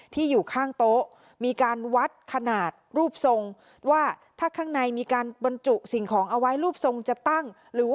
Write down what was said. ที่อยู่ข้างโต๊ะมีการวัดขนาดรูปทรง